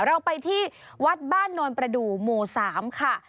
เราไปที่วัดบ้านโนนประดูกหมู่๓ค่ะ